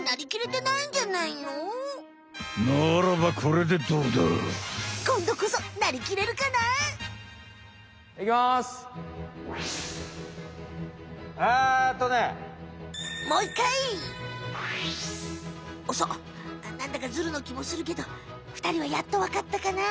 なんだかずるのきもするけどふたりはやっとわかったかな。